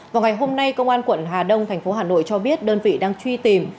vào ngày hôm nay công an quận hà đông tp hà nội cho biết đơn vị đang truy tìm